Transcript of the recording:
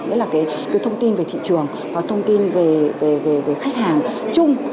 đó là cái thông tin về thị trường và thông tin về khách hàng chung